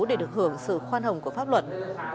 để được hưởng sự khoan hồng của pháp luật